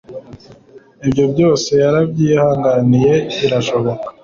Ibyo byose yarabyihanganiye birashoboka